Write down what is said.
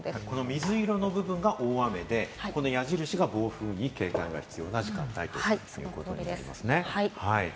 水色の部分が大雨で、矢印が暴風に警戒が必要な時間帯ということなんですね。